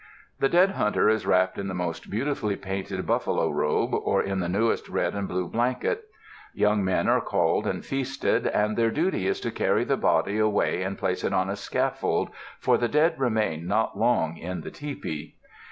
The dead hunter is wrapped in the most beautifully painted buffalo robe, or in the newest red and blue blanket. Young men are called and feasted, and their duty it is to carry the body away and place it on a scaffold, for the dead remain not long in the tepee.